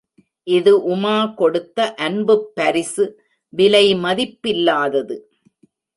இது உமா கொடுத்த அன்புப் பரிசு விலை மதிப்பில்லாதது!